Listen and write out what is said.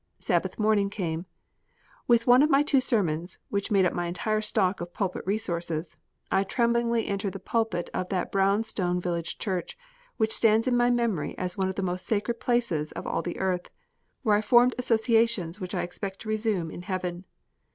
Sabbath morning came. With one of my two sermons, which made up my entire stock of pulpit resources, I tremblingly entered the pulpit of that brown stone village church, which stands in my memory as one of the most sacred places of all the earth, where I formed associations which I expect to resume in Heaven.